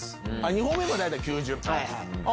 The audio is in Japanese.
２本目も大体９０分。